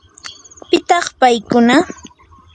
¿pitaq paykuna?